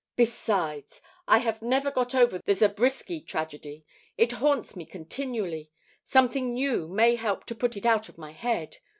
Besides, I have never got over the Zabriskie tragedy. It haunts me continually. Something new may help to put it out of my head.